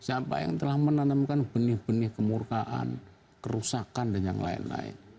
siapa yang telah menanamkan benih benih kemurkaan kerusakan dan yang lain lain